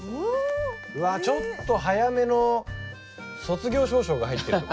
ちょっと早めの卒業証書が入ってるとか。